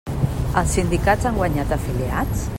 Els sindicats han guanyat afiliats?